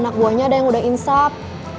anak buahnya ada yang udah insaf